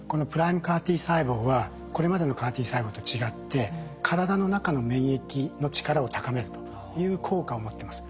このＰＲＩＭＥＣＡＲ−Ｔ細胞はこれまでのＣＡＲ−Ｔ細胞と違って体の中の免疫の力を高めるという効果を持ってます。